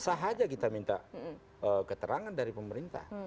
sahaja kita minta keterangan dari pemerintah